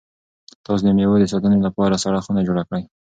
تاسو د مېوو د ساتنې لپاره سړه خونه جوړه کړئ.